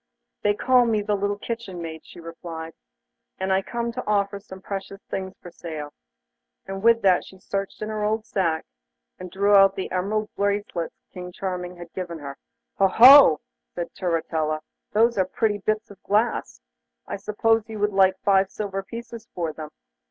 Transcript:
'They call me the little kitchen maid,' she replied, 'and I come to offer some precious things for sale,' and with that she searched in her old sack, and drew out the emerald bracelets King Charming had given her. 'Ho, ho!' said Turritella, those are pretty bits of glass. I suppose you would like five silver pieces for them.